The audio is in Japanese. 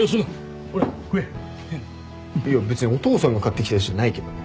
いや別にお父さんが買ってきたやつじゃないけどね。